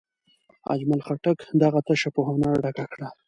اجمل خټک دغه تشه په هنر ډکه کړه.